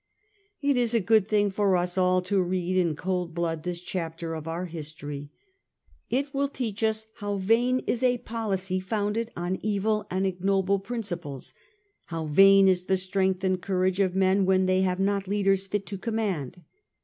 It is a good thing for us all to read in cold blood this chap ter of our history. It will teach us how vain is a policy founded on evil and ignoble principles ; how vain is the strength and courage of men when they have not leaders fit to command.